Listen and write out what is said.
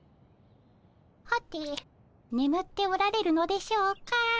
はてねむっておられるのでしょうか。